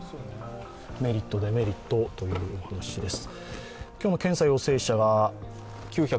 メリット、デメリットというお話です。